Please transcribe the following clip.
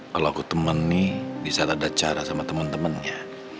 kalau aku temen nih bisa tak ada cara sama temen temennya